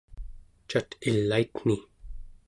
cat ilaitni